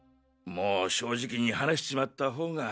もう正直に話しちまった方が。